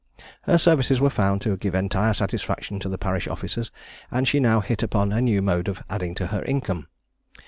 Her services were found to give entire satisfaction to the parish officers, and she now hit upon a new mode of adding to her income.